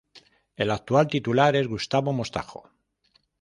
El actual titular es Gustavo Mostajo.